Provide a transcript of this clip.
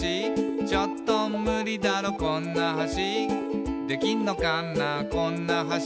「ちょっとムリだろこんな橋」「できんのかなこんな橋」